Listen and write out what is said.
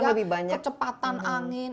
sehingga kecepatan angin